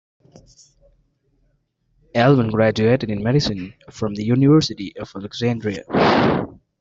Alwan graduated in Medicine from the University of Alexandria.